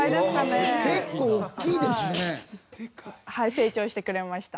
成長してくれました。